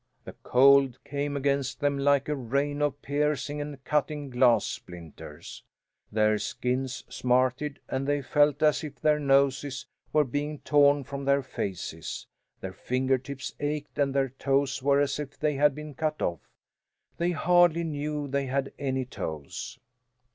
The cold came against them like a rain of piercing and cutting glass splinters. Their skins smarted and they felt as if their noses were being torn from their faces; their fingertips ached and their toes were as if they had been cut off; they hardly knew they had any toes.